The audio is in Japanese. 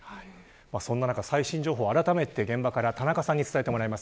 そんな中、最新情報をあらためて現場から田中さんに伝えてもらいます。